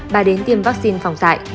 bà đến tiêm vaccine phòng dạy